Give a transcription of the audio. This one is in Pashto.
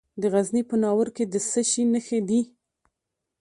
د غزني په ناور کې د څه شي نښې دي؟